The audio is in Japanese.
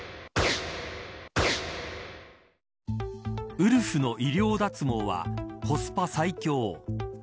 ウルフの医療脱毛はコスパ最強。